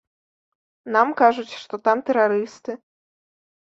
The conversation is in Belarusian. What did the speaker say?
Нам кажуць, што там тэрарысты.